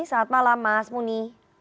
saat malam mas muni